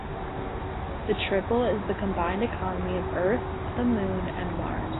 The "Triple" is the combined economy of Earth, the Moon, and Mars.